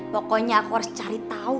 pokoknya aku harus cari tahu